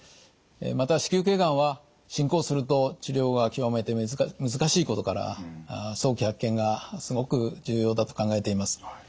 また子宮頸がんは進行すると治療が極めて難しいことから早期発見がすごく重要だと考えています。